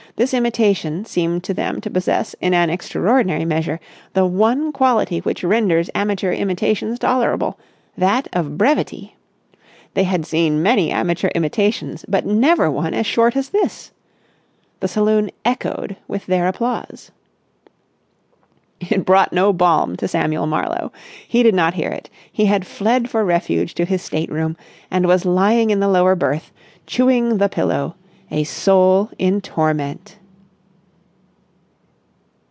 This imitation seemed to them to possess in an extraordinary measure the one quality which renders amateur imitations tolerable, that of brevity. They had seen many amateur imitations, but never one as short as this. The saloon echoed with their applause. It brought no balm to Samuel Marlowe. He did not hear it. He had fled for refuge to his state room and was lying in the lower berth, chewing the pillow, a soul in torment.